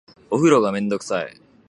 お風呂がめんどくさい